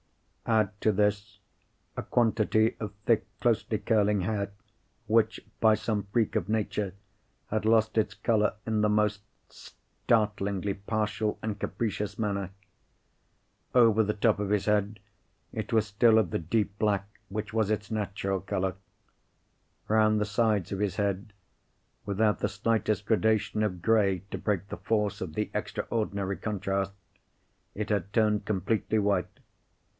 Add to this a quantity of thick closely curling hair, which, by some freak of Nature, had lost its colour in the most startlingly partial and capricious manner. Over the top of his head it was still of the deep black which was its natural colour. Round the sides of his head—without the slightest gradation of grey to break the force of the extraordinary contrast—it had turned completely white.